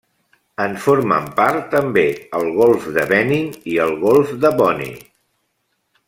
En formen part també el golf de Benín i el golf de Bonny.